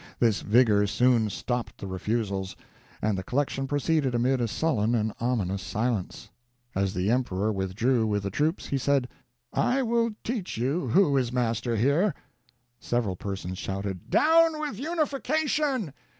This vigor soon stopped the refusals, and the collection proceeded amid a sullen and ominous silence. As the emperor withdrew with the troops, he said, "I will teach you who is master here." Several persons shouted, "Down with unification!"